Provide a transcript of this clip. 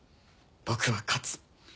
僕は勝つ。